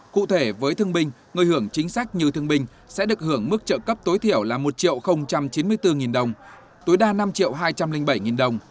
cụ thể với thương binh người hưởng chính sách như thương binh sẽ được hưởng mức trợ cấp tối thiểu là một chín mươi bốn đồng tối đa năm hai trăm linh bảy đồng